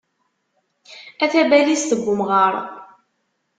A tabalizt n umɣar.